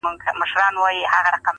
توري چرگي سپيني هگۍ اچوي.